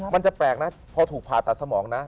มันจะแปลกนะพอถูกผ่าตัดสมองนะ